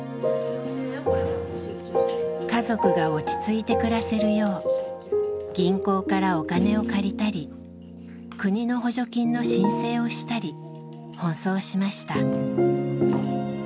家族が落ち着いて暮らせるよう銀行からお金を借りたり国の補助金の申請をしたり奔走しました。